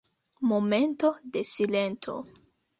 Momento de silento!